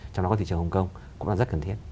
trong đó có thị trường hồng kông cũng là rất cần thiết